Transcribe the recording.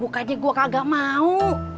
bukannya gua kagak mau